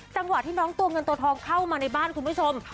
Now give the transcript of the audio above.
จังหวะที่น้องตัวเงินตัวทองเข้ามาในบ้านคุณผู้ชม